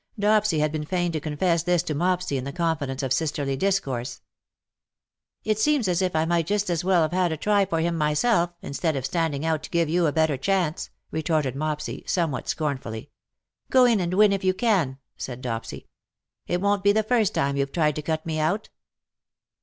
Dopsy had been fain to confess this to Mopsy in the confidence of sisterly discourse. *' It seems as if I might just as well have had a try for him myself, instead of standing out to give you a better chance/" retorted Mopsy, somewhat > scornfully. "Go in and win, if you can/" said Dopsy. " It won"t be the first time you"ve tried to cut me out.''